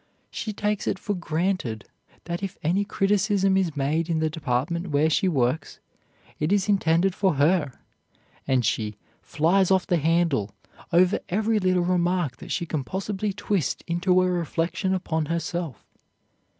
She takes it for granted that if any criticism is made in the department where she works, it is intended for her, and she "flies off the handle" over every little remark that she can possibly twist into a reflection upon herself.